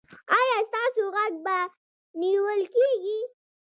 ایا ستاسو غږ به نیول کیږي؟